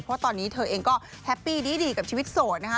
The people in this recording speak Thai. เพราะตอนนี้เธอเองก็แฮปปี้ดีกับชีวิตโสดนะคะ